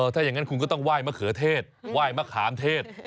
ถ้าอย่างนั้นคุณก็ต้องไหว้มะเขือเทศไหว้มะขามเทศ